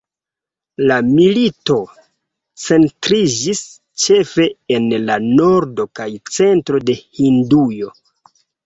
La milito centriĝis ĉefe en la nordo kaj centro de Hindujo.